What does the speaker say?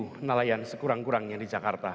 ada dua belas nelayan sekurang kurangnya di jakarta